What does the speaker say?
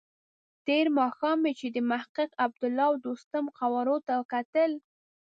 تېر ماښام مې چې د محقق، عبدالله او دوستم قوارو ته کتل.